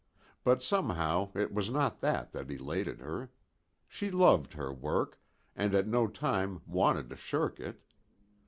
But somehow it was not that that elated her. She loved her work, and at no time wanted to shirk it.